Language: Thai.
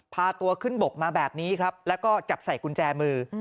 พาตัวขึ้นบกมาแบบนี้ครับแล้วก็จับใส่กุญแจมือ